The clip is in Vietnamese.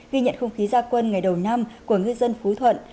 ghi nhận không khí gia quân ngày đầu năm của ngư dân phú thuận